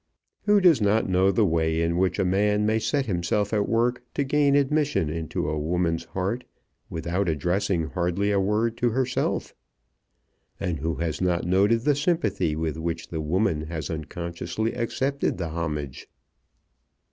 Who does not know the way in which a man may set himself at work to gain admission into a woman's heart without addressing hardly a word to herself? And who has not noted the sympathy with which the woman has unconsciously accepted the homage?